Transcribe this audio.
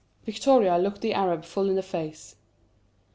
Victoria looked the Arab full in the face.